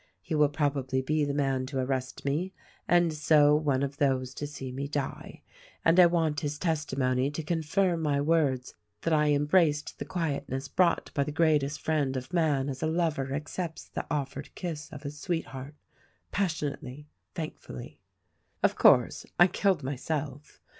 He will probably be the man to arrest me, and so, one of those to see me die ; and I want his testimony to confirm my words that I embraced the quietness brought by the great est friend of man as a lover accepts the offered kiss of his sweetheart: passionately, thankfully. "Of course, I killed myself.